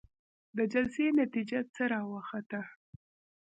د جلسې نتيجه څه راوخته؟